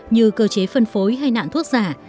như cơ chế phân phối hay nạn thuốc giả